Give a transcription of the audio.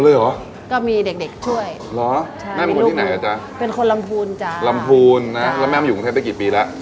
แล้วแม่มาอยู่กรึงเทพฯได้กี่ปีแล้ว